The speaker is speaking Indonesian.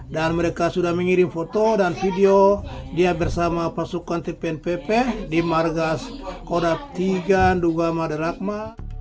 dan mereka sudah mengirim foto dan video dia bersama pasukan tpnpp di margas kodak tiga duga maderakma